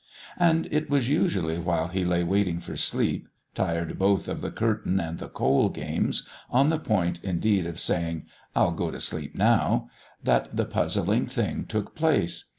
And it was usually while he lay waiting for sleep, tired both of the curtain and the coal games, on the point, indeed, of saying, "I'll go to sleep now," that the puzzling thing took place.